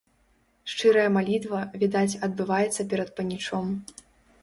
Шчырая малітва, відаць, адбываецца перад панічом.